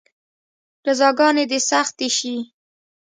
جزاګانې دې سختې شي.